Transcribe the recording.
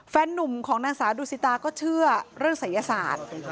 นุ่มของนางสาวดูสิตาก็เชื่อเรื่องศัยศาสตร์